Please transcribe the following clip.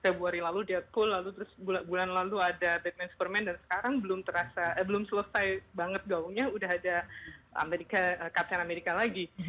februari lalu deadpool lalu terus bulan lalu ada batman vs superman dan sekarang belum terasa belum selesai banget gaungnya udah ada captain america lagi